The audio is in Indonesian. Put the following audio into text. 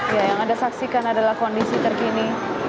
ya yang anda saksikan adalah kondisi terkini